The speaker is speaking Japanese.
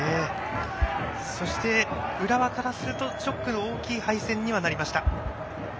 そして、浦和からするとショックの大きい敗戦にはなりました。